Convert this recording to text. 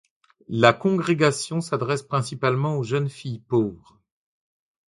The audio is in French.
La congrégation s'adresse principalement aux jeunes filles pauvres.